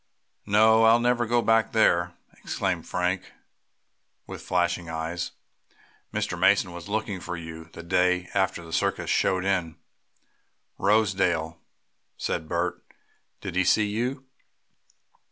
"No, I'll never go back there!" exclaimed Frank, with flashing eyes. "Mr. Mason was looking for you, the day after the circus showed in Rosedale," said Bert. "Did he see you?"